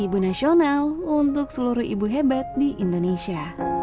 ibu nasional untuk seluruh ibu hebat di indonesia